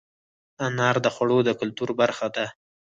انار د خوړو د کلتور برخه ده.